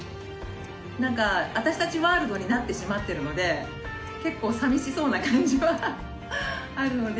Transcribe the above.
なんか私たちワールドになってしまってるので結構寂しそうな感じはあるので。